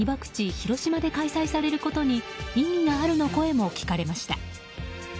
・広島で開催されることに意義があるの声も聞かれました。